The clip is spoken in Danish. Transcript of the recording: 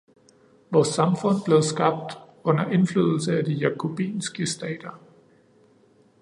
Vores samfund blev skabt under indflydelse af de jakobinske stater.